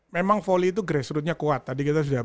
memang volley itu grassrootnya kuat tadi kita sudah